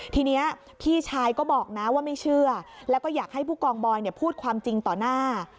ทีนี้พี่ชายก็บอกนะว่าไม่เชื่อแล้วก็อยากให้ผู้กองบอยพูดความจริงต่อหน้า